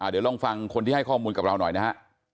เดี๋ยวลองฟังคนที่ให้ข้อมูลกับเราหน่อยนะฮะ